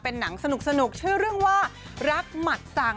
หนังสนุกชื่อเรื่องว่ารักหมัดสั่ง